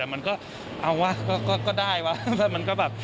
แต่มันก็เอาวะก็ได้วะมันก็แบบ